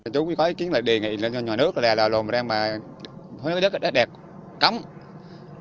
chúng có ý kiến là đề nghị cho nhà nước là lùm ra mà hơi nước đẹp cấm